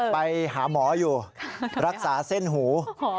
ไปหาหมออยู่รักษาเส้นหู